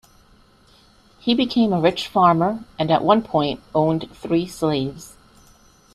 He became a rich farmer and at one point owned three slaves.